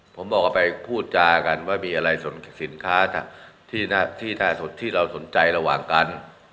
ผมบอกว่าไปพูดจากันว่ามีอะไรสินค้าที่เราสนใจระหว่างกัน